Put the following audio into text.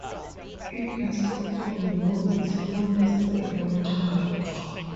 It has also been known as Hollister Elementary.